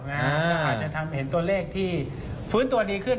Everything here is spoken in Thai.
ก็อาจจะทำเห็นตัวเลขที่ฟื้นตัวดีขึ้น